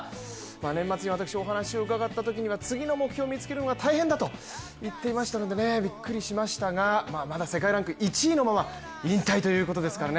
年末に私、お話伺ったときには次の目標を見つけるのが大変だとおっしゃっていたのでびっくりしましたがまだ、世界ランク１位のまま引退ということですからね。